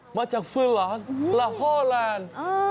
โหมาจากฟินแลนด์และฮอลแลนด์